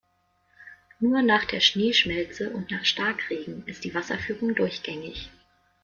Nur nach der Schneeschmelze und nach Starkregen ist die Wasserführung durchgängig.